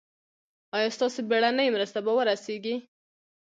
ایا ستاسو بیړنۍ مرسته به ورسیږي؟